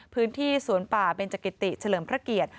พื้นที่สวนป่าเบนจกิติเฉลิมพระเกียรติ